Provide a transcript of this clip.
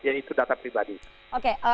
yaitu data pribadi